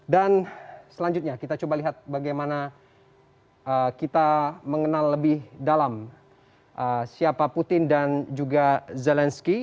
dan selanjutnya kita coba lihat bagaimana kita mengenal lebih dalam siapa putin dan juga zelensky